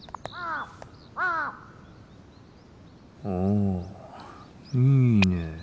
おいいねえ。